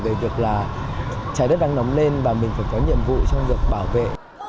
về việc là trái đất đang nóng lên và mình phải có nhiệm vụ trong việc bảo vệ